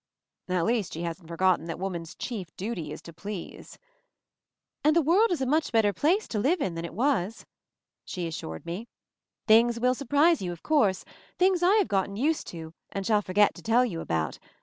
At least she hasn't forgotten that wo man's chief duty is to please. "And the world is a much better place to ve in than it was," she assured me. "Things will surprise you, of course — things I have gotten used to and shall forget to tell you about.